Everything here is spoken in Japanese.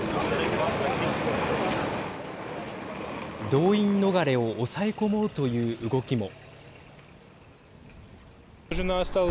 動員逃れを抑え込もうという動きも。